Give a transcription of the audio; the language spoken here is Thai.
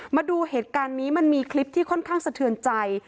มาดูเหตุการณ์นี้มันมีคลิปที่ค่อนข้างสะเทือนใจ